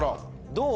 どう？